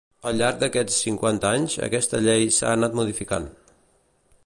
Al llarg d'aquests cinquanta anys, aquesta llei s'ha anat modificant.